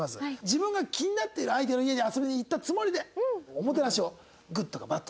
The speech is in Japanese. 自分が気になっている相手の家に遊びに行ったつもりでおもてなしをＧＯＯＤかＢＡＤで。